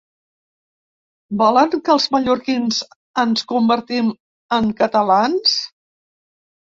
Volen que els mallorquins ens convertim en catalans?